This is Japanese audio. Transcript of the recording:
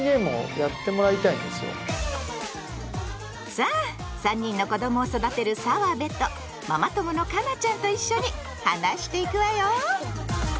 さあ３人の子どもを育てる澤部とママ友の佳奈ちゃんと一緒に話していくわよ！